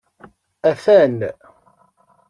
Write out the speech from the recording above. Atan!